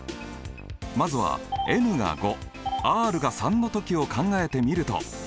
まずはｎが５ｒが３の時を考えてみると。